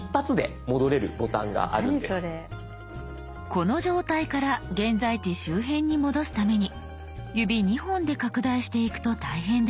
この状態から現在地周辺に戻すために指２本で拡大していくと大変です。